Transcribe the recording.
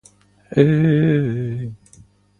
И семей и квартир атака угрожает не меньше нам.